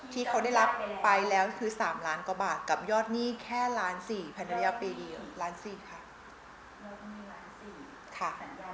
ที่เขาได้รับไปแล้วคือ๓ล้านกว่าบาทกับยอดหนี้แค่ล้านสี่พันระยะปีล้าน๔ค่ะ